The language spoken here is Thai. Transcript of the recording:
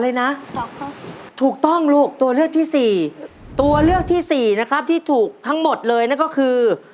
ถูกต้องถูกต้องลูกตัวเลือกที่สี่ตัวเลือกที่สี่นะครับที่ถูกทั้งหมดเลยนั่นก็คือ